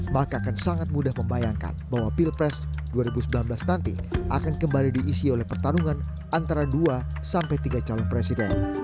maka akan sangat mudah membayangkan bahwa pilpres dua ribu sembilan belas nanti akan kembali diisi oleh pertarungan antara dua sampai tiga calon presiden